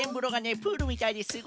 プールみたいですごいんだよ。